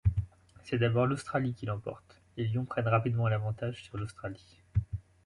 C'est d'abord l'Australie qui l'emporte, les Lions prennent rapidement l'avantage sur l'Australie.